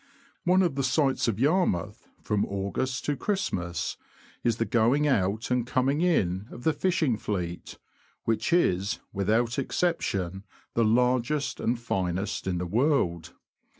One of the sights of Yarmouth, from August to Christmas, is the going out and coming in of the fishing fleet, which is, without exception, the largest and finest in the world.